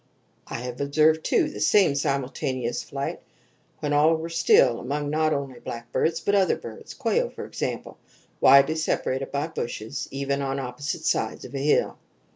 I have observed, too, the same simultaneous flight when all were silent, among not only blackbirds, but other birds quail, for example, widely separated by bushes even on opposite sides of a hill.